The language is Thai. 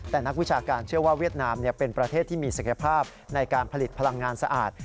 แต่นักวิชาการเชื่อว่าเวียดนามเป็นประเทศที่มีศักยภาพในการผลิตพลังงานสะอาด